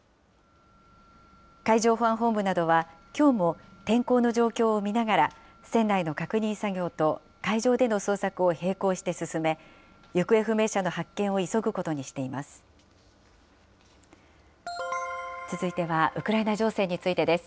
海上保安本部などは、きょうも天候の状況を見ながら、船内の確認作業と海上での捜索を並行して進め、行方不明者の発見を急ぐことにしています。